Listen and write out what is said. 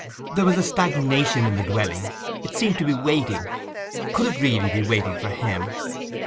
There was a stagnation in the dwelling; it seemed to be waiting. Could it really be waiting for him?